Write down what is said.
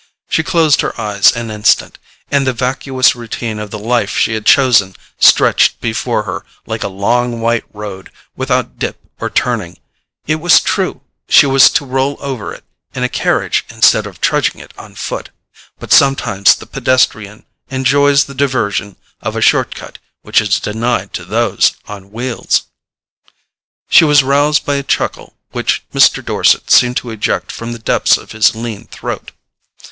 She closed her eyes an instant, and the vacuous routine of the life she had chosen stretched before her like a long white road without dip or turning: it was true she was to roll over it in a carriage instead of trudging it on foot, but sometimes the pedestrian enjoys the diversion of a short cut which is denied to those on wheels. She was roused by a chuckle which Mr. Dorset seemed to eject from the depths of his lean throat.